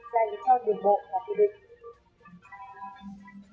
lành cho đường bộ và thủ địch